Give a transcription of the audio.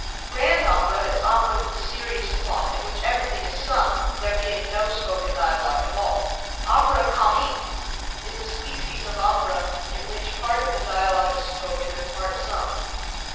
Grand opera is opera with a serious plot, in which everything is sung, there being no spoken dialog at all. Opera comique is a species of opera in which part of the dialog is spoken and part sung.